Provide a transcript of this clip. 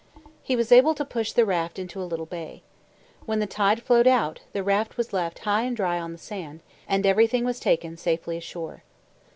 He was able to push the raft into a little bay. When the tide flowed out, the raft was left high and dry on the sand, and everything was taken safely ashore.